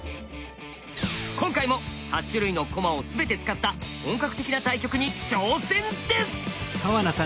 今回も８種類の駒を全て使った本格的な対局に挑戦です！